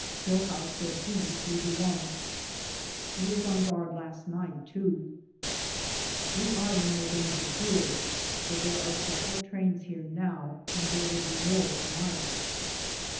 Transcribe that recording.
Hillhouse said he would be the one. He was on guard last night, too. We are in no danger here, for there are several trains here now and there will be more to night.